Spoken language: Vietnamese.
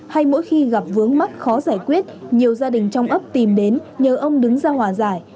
hay mỗi khi gặp vướng mắc khó giải quyết nhiều gia đình trong ấp tìm đến nhờ ông đứng ra hòa giải